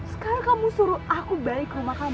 sekarang kamu suruh aku balik rumah kamu